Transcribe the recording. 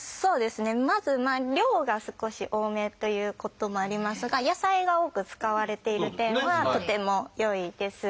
まず量が少し多めということもありますが野菜が多く使われている点はとても良いです。